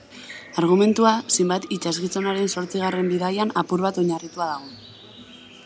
Argumentua Sinbad itsasgizonaren zortzigarren bidaian apur bat oinarritua dago.